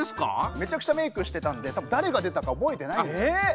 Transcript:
めちゃくちゃメークしてたんで多分誰が出たか覚えてない。